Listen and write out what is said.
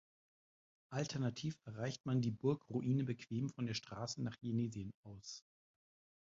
Alternativ erreicht man die Burgruine bequem von der Straße nach Jenesien aus.